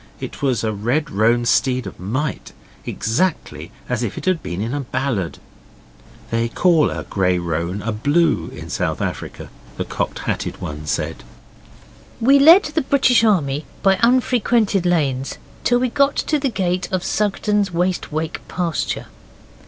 It was a red roan steed of might, exactly as if it had been in a ballad. They call a grey roan a 'blue' in South Africa, the Cocked Hatted One said. We led the British Army by unfrequented lanes till we got to the gate of Sugden's Waste Wake pasture.